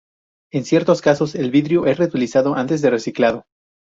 En ciertos casos el vidrio es reutilizado, antes que reciclado.